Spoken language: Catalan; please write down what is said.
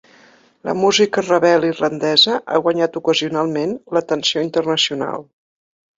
La música rebel irlandesa ha guanyat ocasionalment l'atenció internacional.